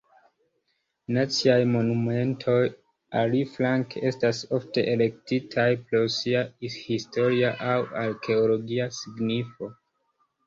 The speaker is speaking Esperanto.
Naciaj Monumentoj, aliflanke, estas ofte elektitaj pro sia historia aŭ arkeologia signifo.